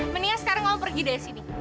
mendingan sekarang kamu pergi dari sini